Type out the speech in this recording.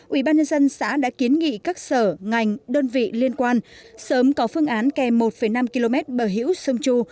ubnd xã đã kiến nghị các sở ngành đơn vị liên quan sớm có phương án kè một năm km bờ hữu sông chu